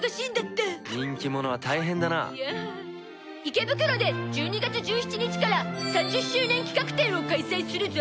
池袋で１２月１７日から３０周年企画展を開催するゾ！